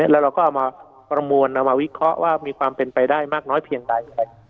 แล้วเราก็เอามาประมวลเอามาวิเคราะห์ว่ามีความเป็นไปได้มากน้อยเพียงใด